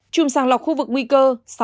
chùm sàng lọc khu vực nguy cơ sáu